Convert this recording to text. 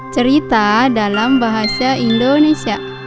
cerita dalam bahasa indonesia